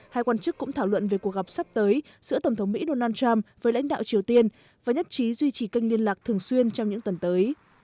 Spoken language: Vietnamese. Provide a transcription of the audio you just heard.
hai quan chức cũng thảo luận về cuộc gặp sắp tới giữa tổng thống mỹ donald trump với lãnh đạo triều tiên và nhất trí duy trì kênh liên lạc thường xuyên trong những tuần tới